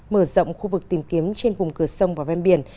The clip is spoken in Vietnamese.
mở rộng khu vực tìm kiếm trên vùng cửa sông và ven biển